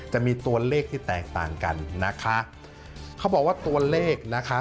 จะมีตัวเลขที่แตกต่างกันนะคะเขาบอกว่าตัวเลขนะคะ